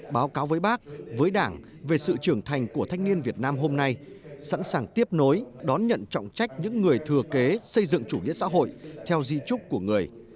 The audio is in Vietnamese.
báo cáo với bác với đảng về sự trưởng thành của thanh niên việt nam hôm nay sẵn sàng tiếp nối đón nhận trọng trách những người thừa kế xây dựng chủ nghĩa xã hội theo di trúc của người